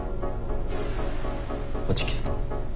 ホチキスの？